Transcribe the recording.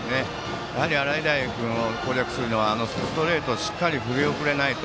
洗平君を攻略するにはストレートにしっかり振り遅れないこと。